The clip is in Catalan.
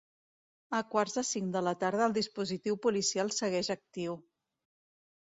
A quarts de cinc de la tarda el dispositiu policial segueix actiu.